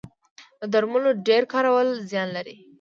د درملو ډیر کارول زیان لري